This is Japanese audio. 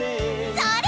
それ！